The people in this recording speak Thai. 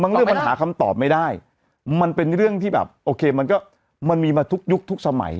เรื่องมันหาคำตอบไม่ได้มันเป็นเรื่องที่แบบโอเคมันก็มันมีมาทุกยุคทุกสมัย